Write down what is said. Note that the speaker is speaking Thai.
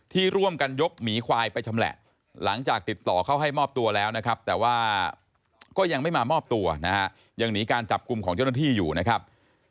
ที่ร่วมกันยกหมีควายไปชำแหละหลังจากติดต่อเข้าให้มอบตัวแล้วนะครับแต่ว่าก็ยังไม่มามอบตัวนะฮะยังหนีการจับกลุ่มของเจ้าหน้าที่อยู่นะครับ